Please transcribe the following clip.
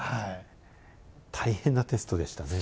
大変なテストでしたね。